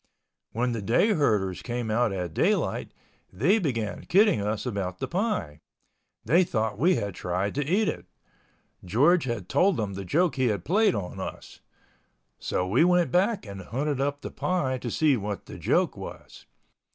When the day herders came out at daylight, they began kidding us about the pie. They thought we had tried to eat it. George had told them the joke he had played on us. So we went back and hunted up the pie to see what the joke was.